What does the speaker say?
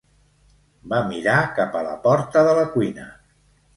Va mirar cap a la porta de la cuina.